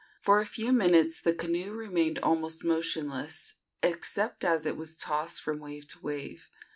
For a few minutes the canoe remained almost motionless, except as it was tossed from wave to wave.